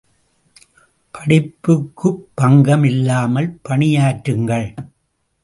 படிப்புக்குப் பங்கம் இல்லாமல் பணியாற்றுங்கள்.